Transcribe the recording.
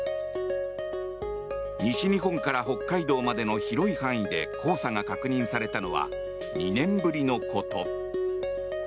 西日本から北海道までの広い範囲で黄砂が確認されたのは２年ぶりのこと。